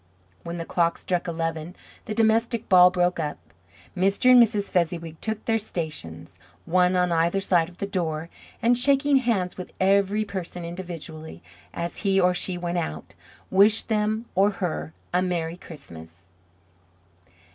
When the clock struck eleven the domestic ball broke up. Mr. and Mrs. Fezziwig took their stations, one on either side of the door, and shaking hands with every person individually, as he or she went out, wished him or her a Merry Christmas!